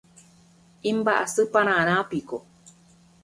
imba'asypararãpiko